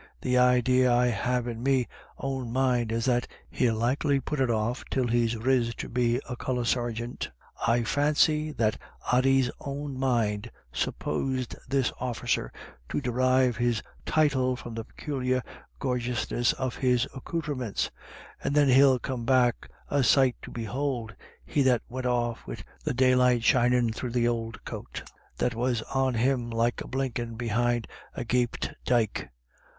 The idee I have in me own mind is that he'll likely put it off till he's riz to be a colour seargint "— I fancy that Ody's own mind supposed this officer to derive his title from the peculiar gorgeousness of his accoutrements —" and then he'll come back a sight to behould, he that wint off wid the daylight shinin' thro' the ould coat was on him like a fire blinkin' behind a gapped dyke.